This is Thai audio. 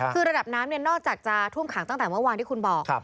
คือระดับน้ำนอกจากจะท่วมขังตั้งแต่เมื่อวานที่คุณบอก